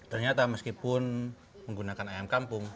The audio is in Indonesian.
ternyata meskipun menggunakan ayam kampung